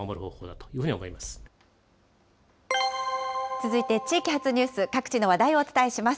続いて地域発ニュース、各地の話題をお伝えします。